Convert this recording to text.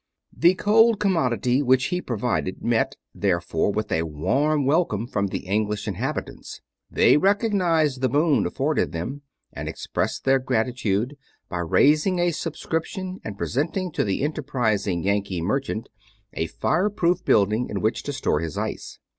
The cold commodity which he provided met, therefore, with a warm welcome from the English inhabitants. They recognized the boon afforded them, and expressed their gratitude by raising a subscription and presenting to the enterprising Yankee merchant a fire proof building in which to store his ice.